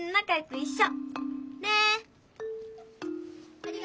ありがとう。